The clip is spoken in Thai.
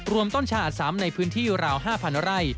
รวมต้นชาอัดซ้ำในพื้นที่ราว๕๐๐๐ไร